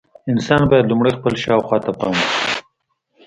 انسان باید لومړی خپل شاوخوا ته پام وکړي.